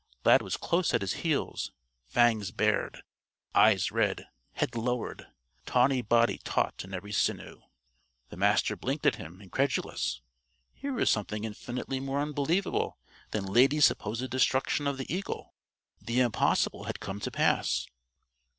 Lad was close at his heels, fangs bared, eyes red, head lowered, tawny body taut in every sinew. The Master blinked at him, incredulous. Here was something infinitely more unbelievable than Lady's supposed destruction of the eagle. The Impossible had come to pass.